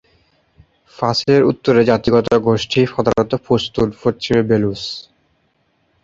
পাসের উত্তরে জাতিগত গোষ্ঠী প্রধানত পশতুন, পশ্চিমে বেলুচ।